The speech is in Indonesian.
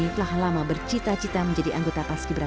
tak ada perjuangan yang sia sia